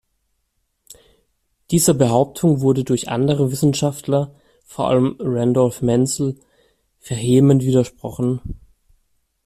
Dieser Behauptung wurde durch andere Wissenschaftler, vor allem Randolf Menzel, vehement widersprochen.